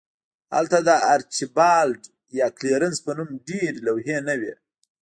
هلته د آرچیبالډ یا کلیرنس په نوم ډیرې لوحې نه وې